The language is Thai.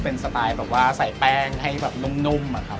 เป็นสไตล์แบบว่าใส่แป้งให้แบบนุ่มอะครับ